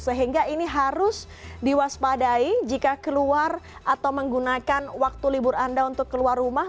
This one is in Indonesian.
sehingga ini harus diwaspadai jika keluar atau menggunakan waktu libur anda untuk keluar rumah